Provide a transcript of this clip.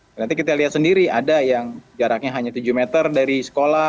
berarti kita lihat sendiri ada yang jaraknya hanya tujuh meter dari sekolah